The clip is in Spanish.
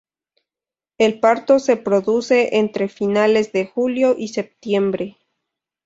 El parto se produce entre finales de julio y septiembre.